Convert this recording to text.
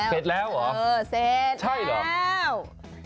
เสร็จดูเสร็จแล้ว